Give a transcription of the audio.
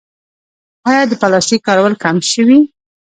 آیا د پلاستیک کارول کم شوي؟